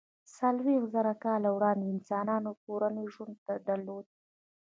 څلویښت زره کاله وړاندې انسانانو کورنی ژوند درلود.